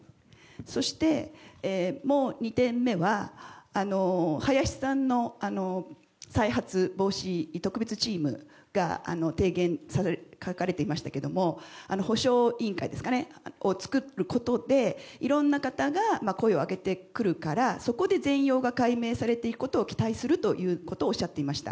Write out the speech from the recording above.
そして、もう２点目は林さんの再発防止特別チームの提言が書かれていましたが補償委員会を作ることでいろんな方が声を上げてくるからそこで全容が解明されていくことを期待するということをおっしゃっていました。